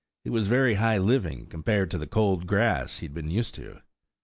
It was very high living compared to the cold grass he had been used to.